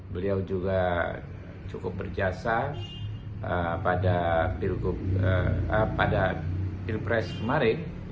beliau juga cukup berjasa pada pilpres kemarin